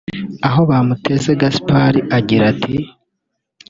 Ahobamuteze Gaspard agira ati